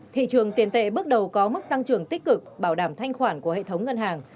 thị trường tiền tệ bước đầu có mức tăng trưởng tích cực bảo đảm thanh khoản của hệ thống ngân hàng